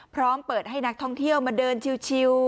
พร้อมเปิดให้นักท่องเที่ยวมาเดินชิว